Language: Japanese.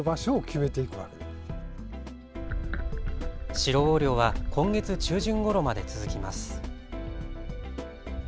シロウオ漁は今月中旬ごろまで続きます。